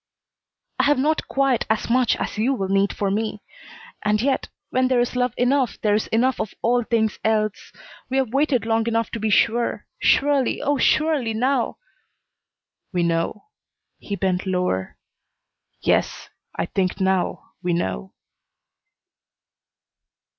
"I have not quite as much as you will need for me. And yet when there is love enough there is enough of all things else. We have waited long to be sure. Surely oh, surely now " "We know?" He bent lower. "Yes, I think now we know."